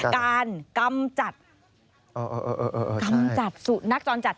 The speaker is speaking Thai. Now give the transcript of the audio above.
กำจัดกำจัดสุนัขจรจัด